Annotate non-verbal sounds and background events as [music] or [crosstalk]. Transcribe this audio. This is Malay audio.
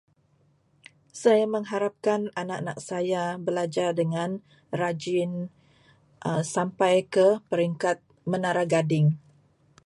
Saya mengharapkan anak-anak saya belajar dengan rajin [hesitation] sampai ke peringkat menara gading.